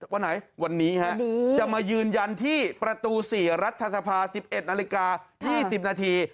วันไหนวันนี้จะมายืนยันที่ประตู๔รัฐสภา๑๑นาฬิกา๒๐นาที